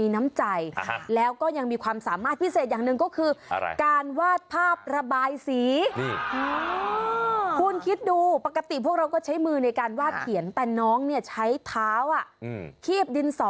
ในการวาดเขียนแต่น้องใช้เท้าคีบดินสอ